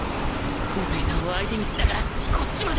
宇髄さんを相手にしながらこっちまで